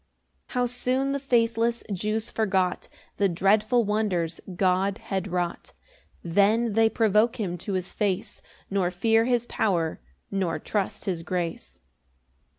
2 How soon the faithless Jews forgot The dreadful wonders God had wrought! Then they provoke him to his face, Nor fear his power, nor trust his grace.